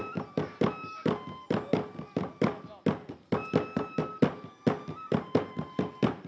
yang masuk ke indonesia sama dengan orang batak dan nias